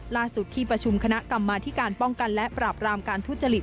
ล่าสุดที่ประชุมคณะกลับมาที่การป้องกันและปราบรามการทุจลิป